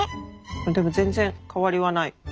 でも全然変わりはない。